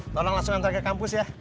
tolong langsung antar ke kampus ya